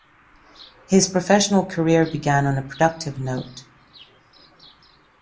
His professional career began on a productive note.